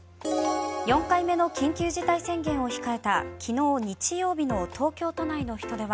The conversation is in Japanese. ４回目の緊急事態宣言を控えた昨日、日曜日の東京都内の人出は